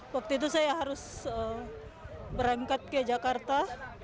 waktu itu saya harus berangkat ke jakarta